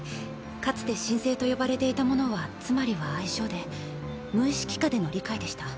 かつて神性と呼ばれていたものはつまりは相性で無意識下での理解でした。